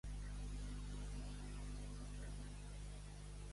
The Epilogue és un llibre lleuger?